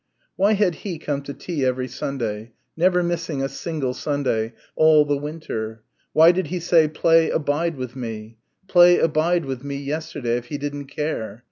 Why had he come to tea every Sunday never missing a single Sunday all the winter? Why did he say, "Play 'Abide with me,'" "Play 'Abide with me'" yesterday, if he didn't care?